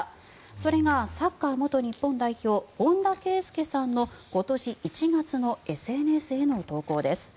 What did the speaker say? それがサッカー元日本代表本田圭佑さんの今年１月のＳＮＳへの投稿です。